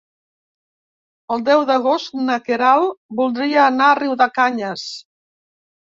El deu d'agost na Queralt voldria anar a Riudecanyes.